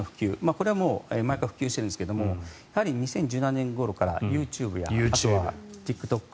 これはもう前から普及しているんですがやはり２０１７年ごろからＹｏｕＴｕｂｅやあとはＴｉｋＴｏｋ